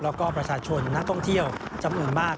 แล้วก็ประชาชนนักท่องเที่ยวจำนวนมาก